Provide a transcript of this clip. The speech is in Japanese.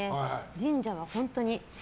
神社は本当に。